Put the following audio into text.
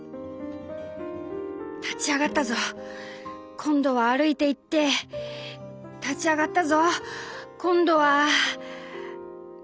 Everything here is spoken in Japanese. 「立ち上がったぞ今度は歩いていって立ち上がったぞ今度は」。